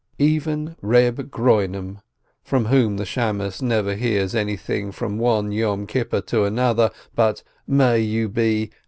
Even Reb Groinom, from whom the beadle never hears anything from one Yom Kippur to another but "may you be